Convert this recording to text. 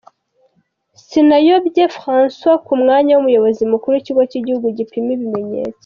Sinayobye François ku mwanya w’Umuyobozi Mukuru w’Ikigo cy’Igihugu gipima ibimenyetso.